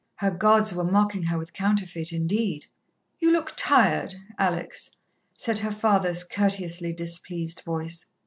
Her gods were mocking her with counterfeit indeed. "You look tired, Alex," said her father's courteously displeased voice.